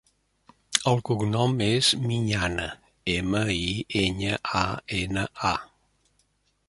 El cognom és Miñana: ema, i, enya, a, ena, a.